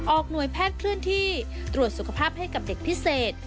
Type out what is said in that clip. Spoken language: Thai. หน่วยแพทย์เคลื่อนที่ตรวจสุขภาพให้กับเด็กพิเศษ